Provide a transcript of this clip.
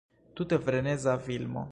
Tute freneza filmo.